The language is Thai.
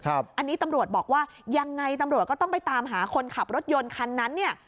อันนี้ตำรวจบอกว่ายังไงตำรวจก็ต้องไปตามหาคนขับรถยนต์คันนั้นเนี่ย